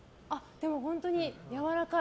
でも本当にやわらかい。